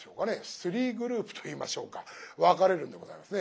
スリーグループと言いましょうか分かれるんでございますね。